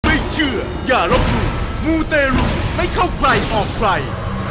ไม่เชื่ออย่าลบหลู่มูเตรุไม่เข้าใครออกใคร